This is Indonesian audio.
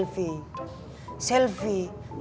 selfie ngasih tahu sama pak muhyiddin